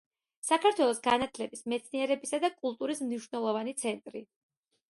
საქართველოს განათლების, მეცნიერებისა და კულტურის მნიშვნელოვანი ცენტრი.